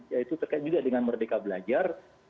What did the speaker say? ya itu terkait juga dengan merdeka belajar